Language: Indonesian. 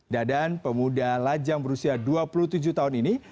dadan pemuda lajang berusia dua puluh tujuh tahun ini